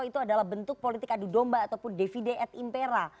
itu adalah bentuk politik adu domba ataupun devide et impera